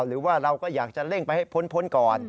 หรือว่าเราก็อยากจะเร่งไปให้พ้นก่อน